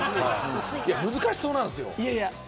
難しそうなんですよ。